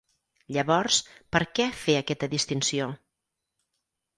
Llavors, per què fer aquesta distinció?